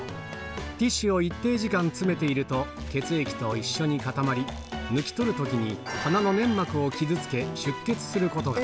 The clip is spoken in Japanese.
ティッシュを一定時間、詰めていると、血液と一緒に固まり、抜き取るときに、鼻の粘膜を傷つけ、出血することが。